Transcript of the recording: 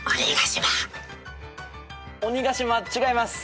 違います。